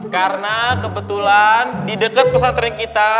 karena kebetulan di dekat pesantren kita